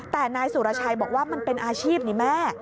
แต่นายสุรชัยบอกว่ามันเป็นอาชีพนี่แม่